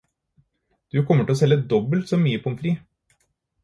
Du kommer til å selge dobbelt så mye pomfri.